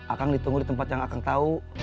akang ditunggu di tempat yang akang tau